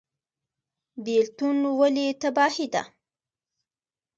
بیلتون ولې تباهي ده؟